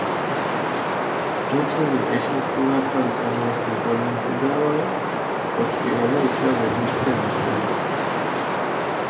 მუთუნი ეშატყურაფალი წამალს მუგონენთდა ვარა, ოჭკირალო იშა ვემირთე მუთუნნერო.